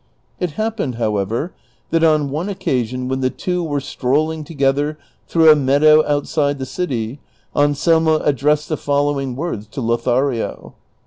It happened, how^ever, that on one occasion when the two were strolling together through a meadow outside the city, Anselmo addressed the following words to Lothario.